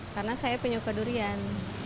karena saya penyuka durian